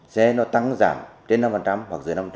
xe nó tăng giảm trên năm trăm linh hoặc dưới năm trăm linh